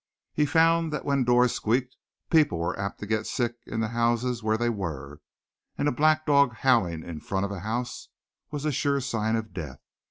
He found that when doors squeaked, people were apt to get sick in the houses where they were; and a black dog howling in front of a house was a sure sign of death.